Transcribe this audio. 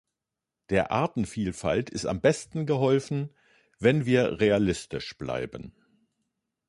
Der Artenvielfalt ist am besten geholfen, wenn wir realistisch bleiben.